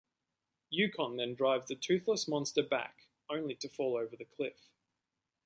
Yukon then drives the toothless monster back, only to fall over the cliff.